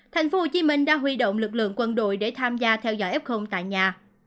thành phố hồ chí minh đã huy động lực lượng quân đội để tham gia theo dõi f tại nhà